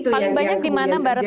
paling banyak dimana mbak ratno